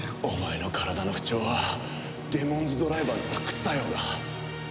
お前の体の不調はデモンズドライバーの副作用だ。